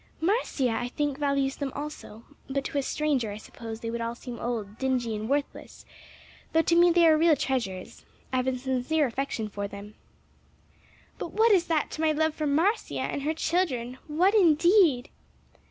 Marcia, I think, values them also, but to a stranger, I suppose they would all seem old, dingy and worthless, though to me they are real treasures. I've a sincere affection for them. "But what is that to my love for Marcia and her children! what indeed!"